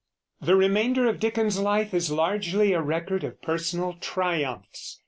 The remainder of Dickens's life is largely a record of personal triumphs.